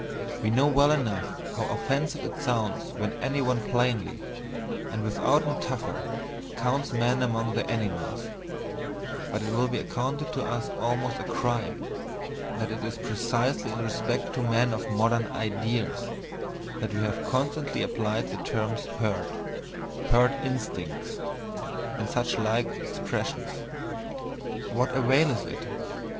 We know well enough how offensive it sounds when any one plainly, and without metaphor, counts man among the animals, but it will be accounted to us almost a CRIME, that it is precisely in respect to men of "modern ideas" that we have constantly applied the terms "herd," "herd instincts," and such like expressions. What avail is it?